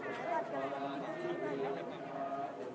เมื่อเวลาอันดับสุดท้ายเมื่อเวลาอันดับสุดท้าย